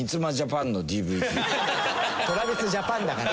ＴｒａｖｉｓＪａｐａｎだから。